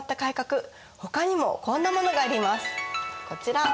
こちら。